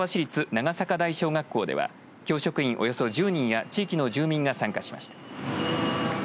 長坂台小学校では教職員をおよそ１０人や地域の住民が参加しました。